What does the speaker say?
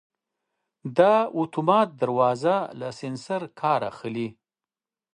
دا اتومات دروازه له سنسر کار اخلي.